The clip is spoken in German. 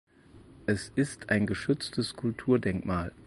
Es ist ein geschütztes Kulturdenkmal.